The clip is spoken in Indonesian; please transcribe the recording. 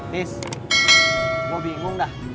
nis gue bingung dah